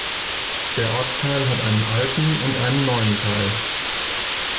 Der Ortsteil hat einen alten und einen neuen Teil.